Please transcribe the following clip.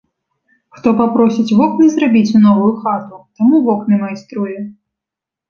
Хто папросіць вокны зрабіць у новую хату, таму вокны майструе.